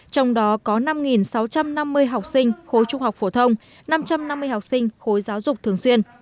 trong đó có năm sáu trăm năm mươi học sinh khối trung học phổ thông năm trăm năm mươi học sinh khối giáo dục thường xuyên